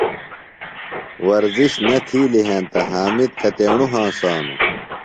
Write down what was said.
ورزش نہ تِھیلیۡ ہینتہ حامد کتیݨوۡ ہنسانوۡ؟